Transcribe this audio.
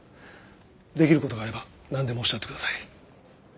できることがあれば何でもおっしゃってください。